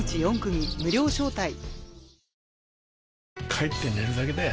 帰って寝るだけだよ